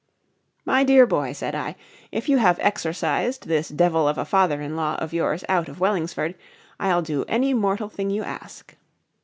"My dear boy," said I, "if you have exorcised this devil of a father in law of yours out of Wellingsford, I'll do any mortal thing you ask."